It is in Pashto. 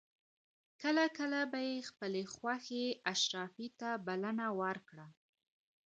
کله کله به یې خپلې خوښې اشرافي ته بلنه ورکړه.